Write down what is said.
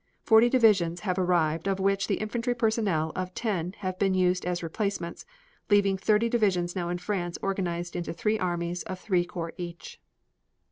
Forty divisions have arrived, of which the infantry personnel of ten have been used as replacements, leaving thirty divisions now in France organized into three armies of three corps each.